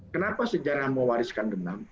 kenapa sejarah mewariskan dendam